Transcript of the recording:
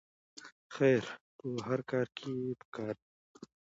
خیر په هر کار کې پکار دی